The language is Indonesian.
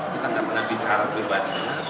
kita nggak pernah bicara pribadi